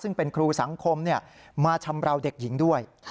ซึ่งเป็นครูสังคมมาชำราวเด็กหญิงด้วย